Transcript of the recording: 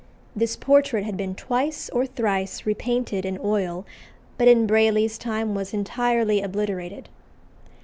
This portrait had been twice or thrice repainted in oil, but in Brayley's time was entirely obliterated.